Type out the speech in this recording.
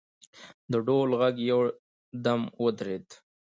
د ډول غږ یو دم ودرېد.